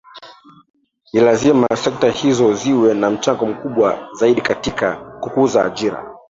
Ni lazima sekta hizo ziwe na mchango mkubwa zaidi katika kukuza ajira